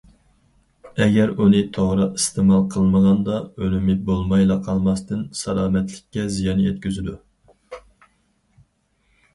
ئەگەر ئۇنى توغرا ئىستېمال قىلمىغاندا، ئۈنۈمى بولمايلا قالماستىن، سالامەتلىككە زىيان يەتكۈزىدۇ.